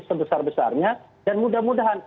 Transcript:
sebesar besarnya dan mudah mudahan